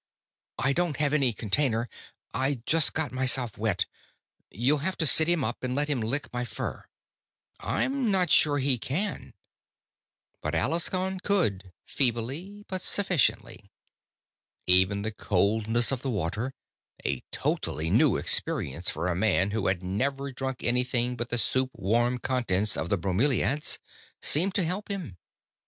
"I don't have any container. I just got myself wet you'll have to sit him up and let him lick my fur." "I'm not sure he can." But Alaskon could, feebly, but sufficiently. Even the coldness of the water a totally new experience for a man who had never drunk anything but the soup warm contents of the bromelaids seemed to help him.